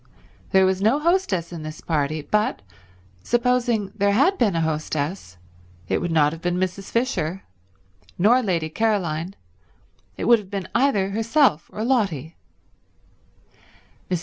There was no hostess in this party, but supposing there had been a hostess it would not have been Mrs. Fisher, nor Lady Caroline, it would have been either herself or Lotty. Mrs.